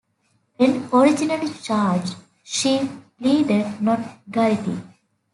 When originally charged, she pleaded not guilty.